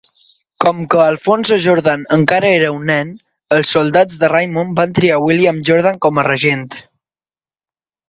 Com que Alfonso-Jordan encara era un nen, els soldats de Raymond van triar William-Jordan com a regent.